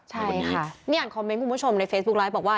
ใช่ค่ะนี่อ่านคอมเมนต์คุณผู้ชมในเฟซบุ๊คไลฟ์บอกว่า